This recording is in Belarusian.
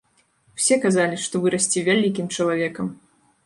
Усе казалі, што вырасце вялікім чалавекам.